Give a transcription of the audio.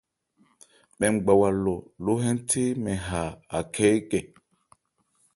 Mɛn ngbawa lɔ ló-hɛ́nthé mɛn ha Akhɛ́ ékɛ.